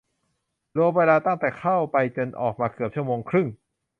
รวมเวลาตั้งแต่เข้าไปจนออกมาเกือบชั่วโมงครึ่ง